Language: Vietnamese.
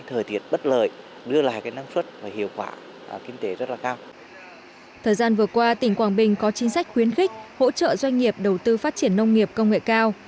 thời gian vừa qua tỉnh quảng bình có chính sách khuyến khích hỗ trợ doanh nghiệp đầu tư phát triển nông nghiệp công nghệ cao